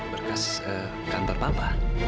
berkas kantor papa